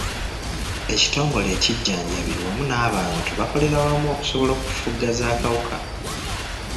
Ekitongole ekijjanjabi wamu n'abantu bakolera wamu okusobola okufufugaza akawuka.